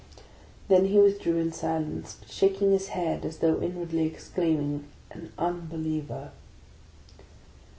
Then he withdrew in silence, but shaking his head as though inwardly exclaiming, " An Unbeliever."